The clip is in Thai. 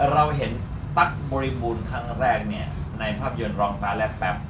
เราเห็นตั๊กบริบูรณ์ครั้งแรกในภาพยนตร์รองตาแรกแป๊บ